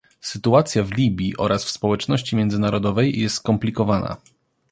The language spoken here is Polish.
Sytuacja w Libii oraz w społeczności międzynarodowej jest skomplikowana